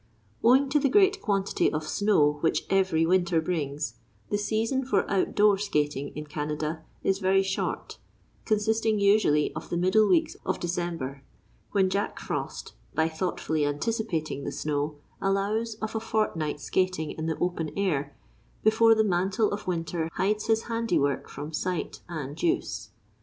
Owing to the great quantity of snow which every winter brings, the season for outdoor skating in Canada is very short, consisting usually of the middle weeks of December, when Jack Frost, by thoughtfully anticipating the snow, allows of a fortnight's skating in the open air before the mantle of winter hides his handiwork from sight and use.